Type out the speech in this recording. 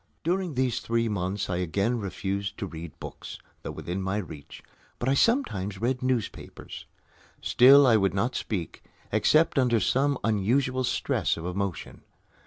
During these three months I again refused to read books, though within my reach, but I sometimes read newspapers. Still I would not speak, except under some unusual stress of emotion.